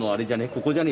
ここじゃね？